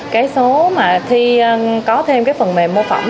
cái số mà khi có thêm cái phần mềm mô phỏng